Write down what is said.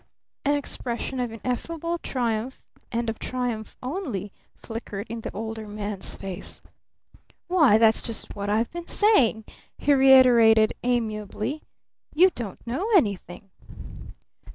An expression of ineffable triumph, and of triumph only, flickered in the Older Man's face. "Why, that's just what I've been saying," he reiterated amiably. "You don't know anything!"